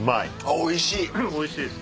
おいしい！